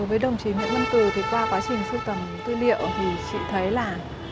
đối với đồng chí nguyễn văn cừ thì qua quá trình sưu tầm tư liệu thì chị thấy là